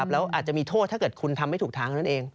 แล้วอาจจะมีโทษถ้าเกิดคุณทำไม่ถูกทางเท่านั้นเอง